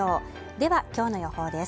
では、今日の予報です